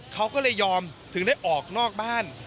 เขาก็เลยยอมถึงได้ออกนอกบ้าน